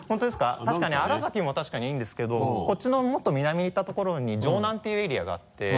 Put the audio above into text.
確かに荒崎も確かにいいんですけどこっちのもっと南に行ったところにジョウナンっていうエリアがあって。